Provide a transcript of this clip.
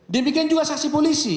demikian juga saksi polisi